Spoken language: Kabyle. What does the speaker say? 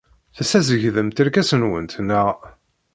Tessazedgemt irkasen-nwent, naɣ?